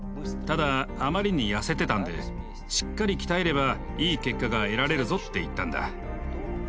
ただあまりに痩せてたんで「しっかり鍛えればいい結果が得られるぞ」って言ったんだ。